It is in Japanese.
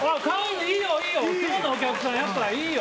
今日のお客さん、やっぱいいよ。